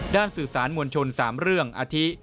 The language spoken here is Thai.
สื่อสารมวลชน๓เรื่องอาทิ